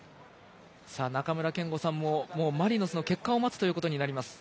中村憲剛さんも、マリノスの結果を待つということになります。